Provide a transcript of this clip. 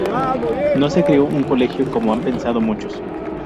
No se creó un colegio, como han pensado muchos.